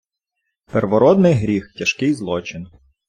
Первородний гріх - тяжкий злочин